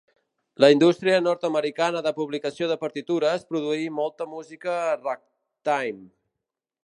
La indústria nord-americana de publicació de partitures produí molta música ragtime